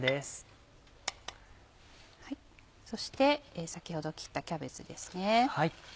そして先ほど切ったキャベツですね。